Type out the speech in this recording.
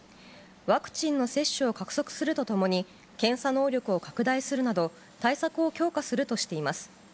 ワクチンの接種を加速するとともに、検査能力を拡大するなど、対策を強化するとしています。